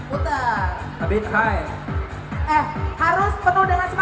โอเคขอบคุณครับ